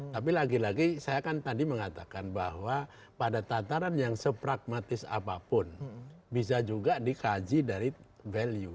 tapi lagi lagi saya kan tadi mengatakan bahwa pada tataran yang sepragmatis apapun bisa juga dikaji dari value